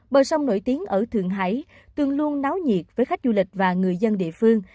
bờ sông nổi tiếng ở thượng hải từng luôn náo nhiệt với khách du lịch và người dân địa phương